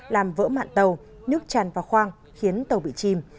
làm vỡ mạng tàu nước tràn vào khoang khiến tàu bị chìm